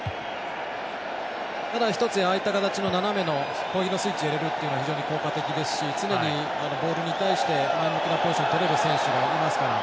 ただ、一つ、ああいった形の斜めの攻撃のスイッチを入れるというのは非常に効果的ですし常にボールに対して前向きなポジションをとれる選手がいますから